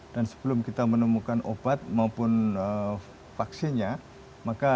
dan sebelum kita menemukan obat maupun vaksinnya